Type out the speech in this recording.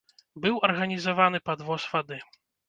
Быў арганізаваны падвоз вады.